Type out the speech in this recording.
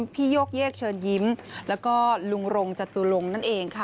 โยกเยกเชิญยิ้มแล้วก็ลุงรงจตุลงนั่นเองค่ะ